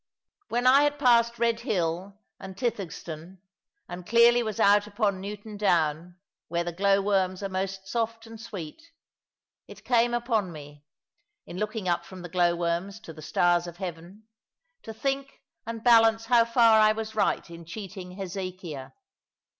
When I had passed Red hill and Tythegston, and clearly was out upon Newton Down, where the glow worms are most soft and sweet, it came upon me, in looking up from the glow worms to the stars of heaven, to think and balance how far I was right in cheating Hezekiah.